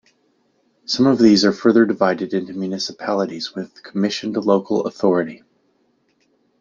Some of these are further divided into Municipalities with Commissioned Local Authority.